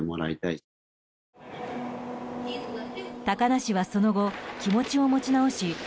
高梨はその後気持ちを持ち直し